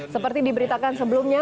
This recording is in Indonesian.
seperti diberitakan sebelumnya